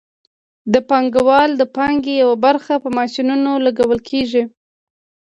د پانګوال د پانګې یوه برخه په ماشینونو لګول کېږي